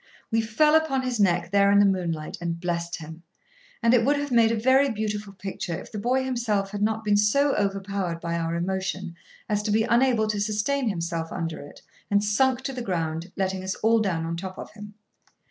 We fell upon his neck there in the moonlight and blessed him, and it would have made a very beautiful picture if the boy himself had not been so over powered by our emotion as to be unable to sustain himself under it, and sunk to the ground, letting us all down on top of him.